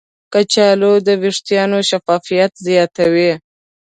کچالو د ویښتانو شفافیت زیاتوي.